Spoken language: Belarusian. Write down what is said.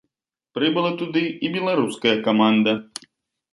Прыбыла туды і беларуская каманда.